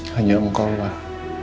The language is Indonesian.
hanya engkau lah